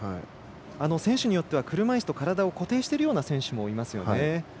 選手によっては車いすと体を固定しているような選手もいますよね。